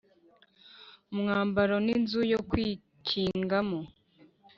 umwambaro n’inzu yo kwikingamo.